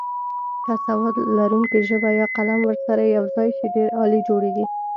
که سواد لرونکې ژبه یا قلم ورسره یوځای شي ډېر عالي جوړیږي.